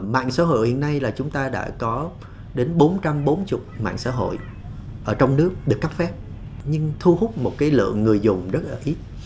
mạng xã hội hiện nay là chúng ta đã có đến bốn trăm bốn mươi mạng xã hội ở trong nước được cấp phép nhưng thu hút một cái lượng người dùng rất là ít